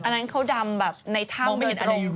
อันนั้นเขาดำแบบในถ้ำไม่เห็นอารมณ์